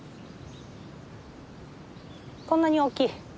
こんなに大きい。